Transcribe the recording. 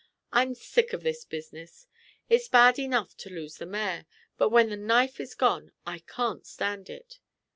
"I'm sick of this business. It's bad enough to lose the mare, but when the knife is gone I can't stand it."